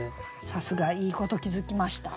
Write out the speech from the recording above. さすがいいこと気付きました。